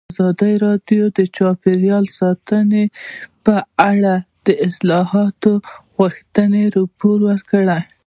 ازادي راډیو د چاپیریال ساتنه په اړه د اصلاحاتو غوښتنې راپور کړې.